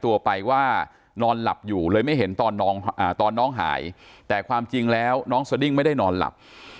ตัวไปว่านอนหลับอยู่เลยไม่เห็นตอนน้องหายแต่ความจริงแล้วน้องสดิ้งไม่ได้นอนหลับ